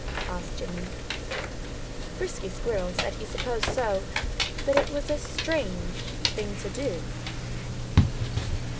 asked Jimmy. Frisky Squirrel said he supposed so but it was a strange thing to do.